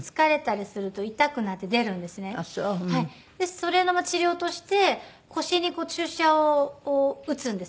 それの治療として腰に注射を打つんです。